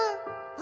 「あ！」